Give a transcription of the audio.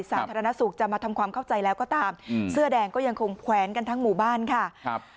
สาธารณสุขจะมาทำความเข้าใจแล้วก็ตามอืมเสื้อแดงก็ยังคงแขวนกันทั้งหมู่บ้านค่ะครับ